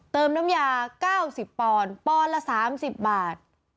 เติมน้ำยา๙๐ปอนปอนละ๓๐บาท